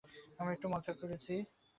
আমরা একটু মজা করেছি।